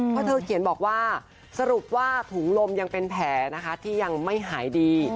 เพราะเธอเขียนบอกว่าสรุปว่าถุงลมยังเป็นแผลนะคะที่ยังไม่หายดี